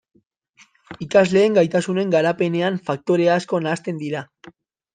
Ikasleen gaitasunen garapenean faktore asko nahasten dira.